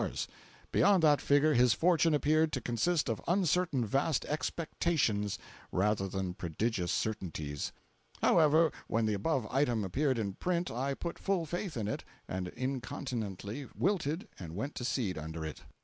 Beyond that figure his fortune appeared to consist of uncertain vast expectations rather than prodigious certainties. However, when the above item appeared in print I put full faith in it, and incontinently wilted and went to seed under it.